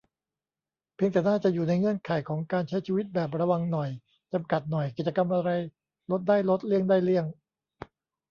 เพียงแต่น่าจะอยู่ในเงื่อนไขของการใช้ชีวิตแบบระวังหน่อย จำกัดหน่อย กิจกรรมอะไรลดได้ลด เลี่ยงได้เลี่ยง